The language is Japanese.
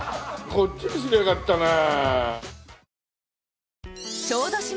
こっちにすればよかったなあ。